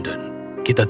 sementara aku mel og